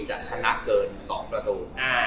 จะชนะเกิน๒ประตู